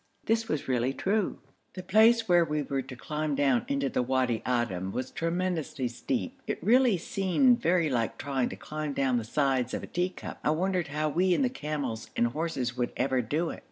This was really true. The place where we were to climb down into the Wadi Adim was tremendously steep. It really seemed very like trying to climb down the sides of a tea cup, I wondered how we and the camels and horses would ever do it.